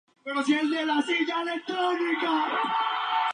Ha estado en varios festivales cinematográficos nacionales e internaciones.